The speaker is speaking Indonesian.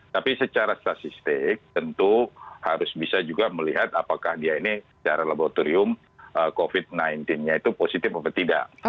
tapi secara statistik tentu harus bisa juga melihat apakah dia ini secara laboratorium covid sembilan belas nya itu positif atau tidak